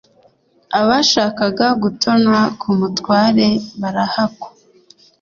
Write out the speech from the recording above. abashaka gutona ku mutware barahakwa.